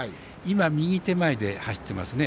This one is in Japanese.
右手前で走っていますね。